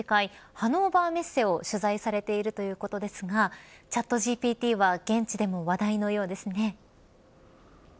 ハノーバーメッセを取材されているということですがチャットＧＰＴは現地でも話題のようですね。